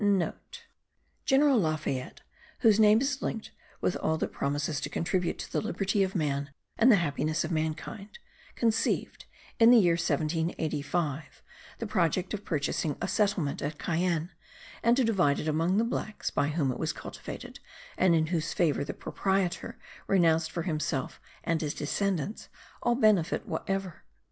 (* General Lafayette, whose name is linked with all that promises to contribute to the liberty of man and the happiness of mankind, conceived, in the year 1785, the project of purchasing a settlement at Cayenne, and to divide it among the blacks by whom it was cultivated and in whose favour the proprietor renounced for himself and his descendants all benefit whatever.